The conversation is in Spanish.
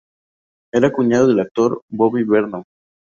Era cuñado del actor Bobby Vernon.